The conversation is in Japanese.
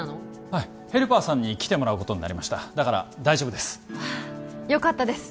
はいヘルパーさんに来てもらうことになりましただから大丈夫ですよかったです